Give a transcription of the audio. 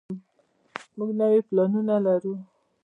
موږ نوي پلانونه لرو.